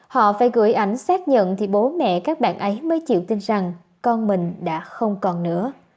họ phải gửi ảnh xác nhận thì bố mẹ các bạn ấy mới chịu tin rằng con mình đã không còn nữa